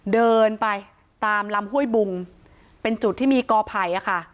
เดินไปตามลำห้วยบุงเป็นจุดที่มีกอไผ่ค่ะ